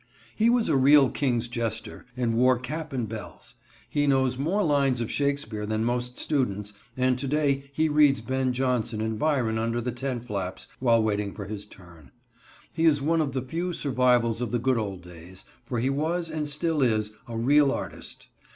He was a real king's jester, and wore cap and bells. He knows more lines of Shakespeare than most students, and to day he reads Ben Jonson and Byron under the tent flaps, while waiting for his turn. He is one of the few survivals of the good old days, for he was, and still is, a real artist.